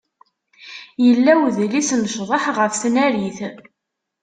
Yella udlis n ccḍeḥ ɣef tnarit.